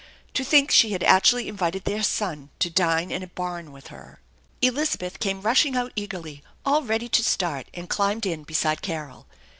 To think she had actually invited their son to dine in a barn with her! Elizabeth came rushing out eagerly, all ready to start, and climbed in beside Carol.